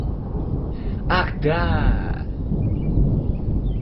Ах, да!